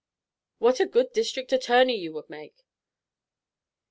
"What a good district attorney you would make!"